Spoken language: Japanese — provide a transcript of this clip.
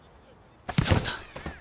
そうさ！